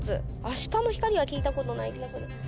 「あしたのひかり」は聞いたことない気がする。